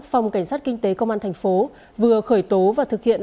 phòng cảnh sát kinh tế công an tp đà nẵng vừa khởi tố và thực hiện